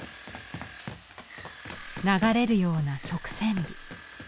流れるような曲線美。